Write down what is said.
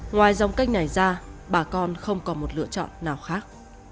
ngoài dòng cách này ra bà con không có một lựa chọn nào khác